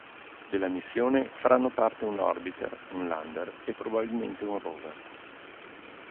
Della missione faranno parte un orbiter, un lander e probabilmente un rover.